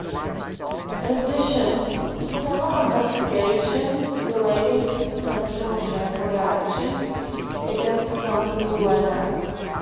In addition, several investigations relating to potential shareholder actions against the company were announced.